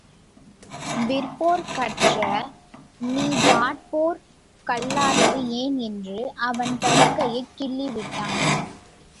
விற்போர் கற்ற நீ வாட்போர் கல்லாதது ஏன் என்று அவன் தருக்கைக் கிள்ளி விட்டான்.